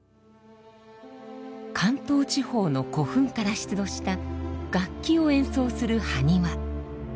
関東地方の古墳から出土した楽器を演奏する埴輪。